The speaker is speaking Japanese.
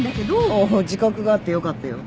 おっ自覚があってよかったよ。